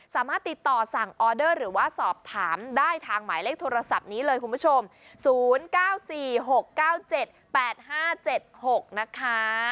สามารถติดต่อสั่งออเดอร์หรือว่าสอบถามได้ทางหมายเลขโทรศัพท์นี้เลยคุณผู้ชม๐๙๔๖๙๗๘๕๗๖นะคะ